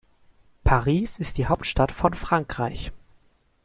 Paris ist die Hauptstadt von Frankreich.